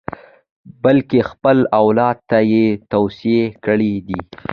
بلکې خپل اولاد ته یې توصیې کړې دي.